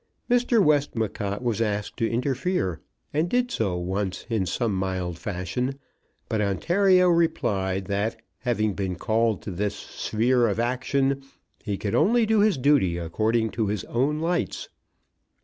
Mr. Westmacott was asked to interfere, and did do so once in some mild fashion; but Ontario replied that having been called to this sphere of action he could only do his duty according to his own lights.